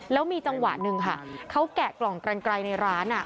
แล้วมีจังหวะหนึ่งค่ะเขาแกะกล่องกันไกลในร้าน